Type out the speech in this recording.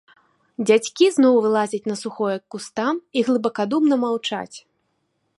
Дзядзькі зноў вылазяць на сухое к кустам і глыбакадумна маўчаць.